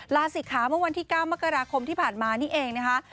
ลาศิกขาเมื่อวันที่๙มกราคมที่ผ่านมานี่เองนะคะ